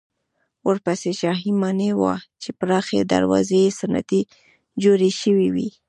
ورپسې شاهي ماڼۍ وه چې پراخې دروازې یې ستنې جوړې شوې وې.